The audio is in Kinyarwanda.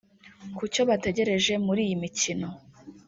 Ku cyo bategereje muri iyi mikino